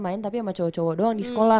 main tapi sama cowok cowok doang di sekolah